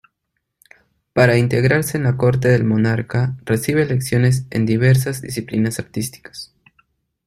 Para integrarse en la corte del monarca, recibe lecciones en diversas disciplinas artísticas.